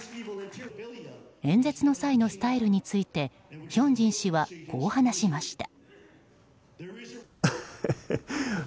演説の際のスタイルについてヒョンジン氏は、こう話しました。